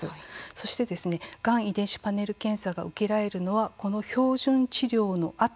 そして、がん遺伝子パネル検査が受けられるのはこの標準治療のあと。